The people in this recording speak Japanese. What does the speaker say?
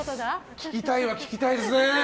聞きたいは聞きたいですね。